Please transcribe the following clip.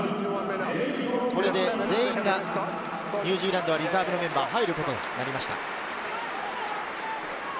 これで全員がニュージーランドはリザーブのメンバーが入ることになりました。